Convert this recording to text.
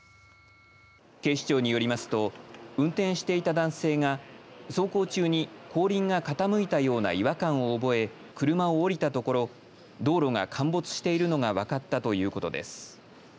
警視庁によりますと運転していた男性が走行中に後輪が傾いたような違和感を覚え車を降りたところ道路が陥没しているのが分かったということです。